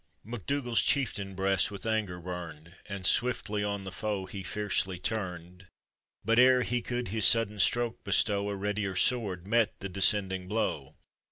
MacDougall's chieftain breast with anger burned, And swiftly on the foe he fiercely turned, But ere he could his sudden stroke bestow, A readier sword met the descending blow.